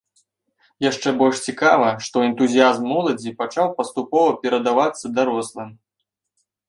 Яшчэ больш цікава, што энтузіязм моладзі пачаў паступова перадавацца дарослым.